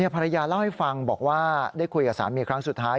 ภรรยาเล่าให้ฟังบอกว่าได้คุยกับสามีครั้งสุดท้าย